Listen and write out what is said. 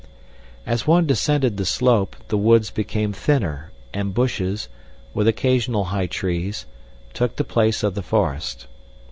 As one descended the slope the woods became thinner, and bushes, with occasional high trees, took the place of the forest.